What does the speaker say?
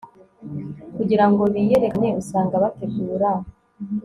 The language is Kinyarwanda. Kugira ngo biyerekane usanga bategura